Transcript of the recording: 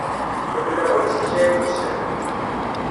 Tamella ur tt-tesɛi tewser.